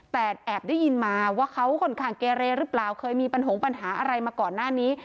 แต่แอบได้ยินมาว่าเขาค่อนข้างเกเรหรือเปล่าเคยมีปัญหาอะไรมาก่อนหน้านี้